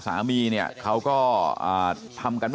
กระดิ่งเสียงเรียกว่าเด็กน้อยจุดประดิ่ง